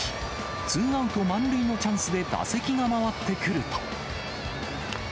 ツーアウト満塁のチャンスで打席が回ってくると。